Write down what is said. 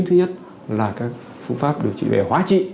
thứ nhất là các phương pháp điều trị về hóa trị